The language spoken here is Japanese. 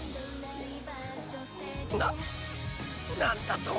な何だと！？